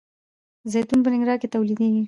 زیتون په ننګرهار کې تولیدیږي.